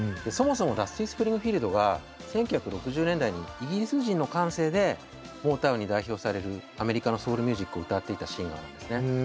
そもそもダスティ・スプリングフィールドが１９６０年代にイギリス人の感性でモータウンに代表されるアメリカのソウルミュージックを歌っていたシンガーなんですね。